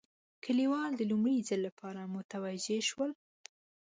کلیوال د لومړي ځل لپاره متوجه شول.